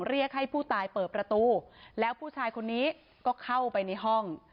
เรียกให้ผู้ตายเปิดประตูแล้วผู้ชายคนนี้ก็เข้าไปในห้อง